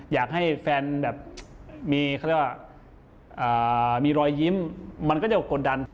อยากให้แฟนแบบมีเขาเรียกว่ามีรอยยิ้มมันก็จะกดดัน